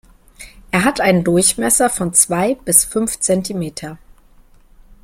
Er hat einen Durchmesser von zwei bis fünf Zentimeter.